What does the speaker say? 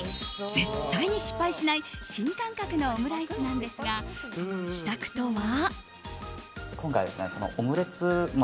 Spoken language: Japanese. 絶対に失敗しない新感覚のオムライスなんですがその秘策とは？